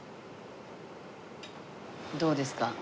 どうですか？